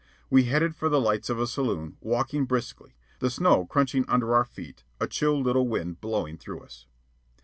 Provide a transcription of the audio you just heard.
We headed for the lights of a saloon, walking briskly, the snow crunching under our feet, a chill little wind blowing through us.